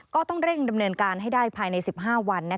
ก็ต้องเร่งดำเนินการให้ได้ภายใน๑๕วัน